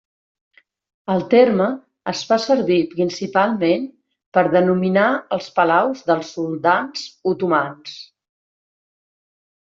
El terme es fa servir principalment per denominar els palaus dels soldans otomans.